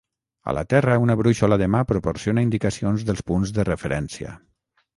A la terra, una brúixola de mà proporciona indicacions dels punts de referència.